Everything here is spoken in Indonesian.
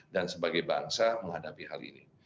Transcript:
dan sebagai bangsa menghadapi hal ini